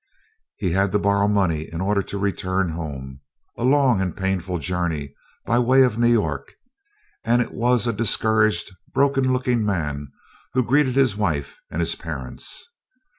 He had to borrow money in order to return home, a long and painful journey by way of New York, and it was a discouraged, broken looking man who greeted his wife and his parents.